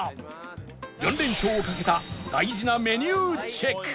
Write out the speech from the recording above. ４連勝をかけた大事なメニューチェック